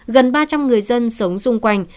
gần ba trăm linh người dân sống xung quanh